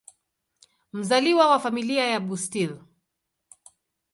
Mzaliwa wa Familia ya Bustill.